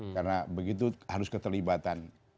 karena begitu harus keterlibatan